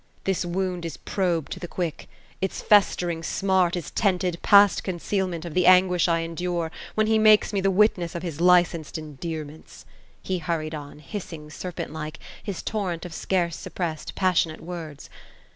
This wound is probed to the quick, its festering smart is tented past concealment of the anguish I endure, when he makes me the witness of his licensed endearments f he hurried on, hissing, ser pent like, his torrent of scarce suppressed passionate words.